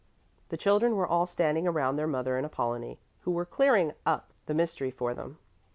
The children were all standing around their mother and Apollonie, who were clearing up the mystery for them.